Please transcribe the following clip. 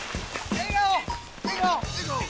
笑顔！